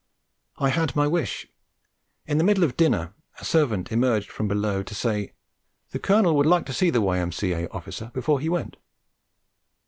I had my wish. In the middle of dinner a servant emerged from below to say: 'The Colonel would like to see the Y.M.C.A. officer before he went.'